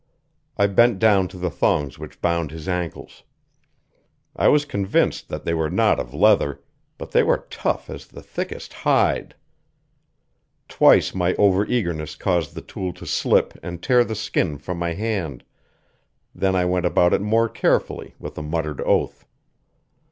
I bent down to the thongs which bound his ankles. I was convinced that they were not of leather, but they were tough as the thickest hide. Twice my overeagerness caused the tool to slip and tear the skin from my hand; then I went about it more carefully with a muttered oath.